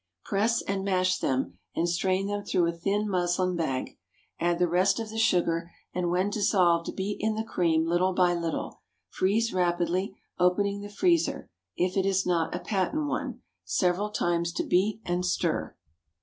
Press and mash them, and strain them through a thin muslin bag. Add the rest of the sugar, and when dissolved beat in the cream little by little. Freeze rapidly, opening the freezer (if it is not a patent one) several times to beat and stir.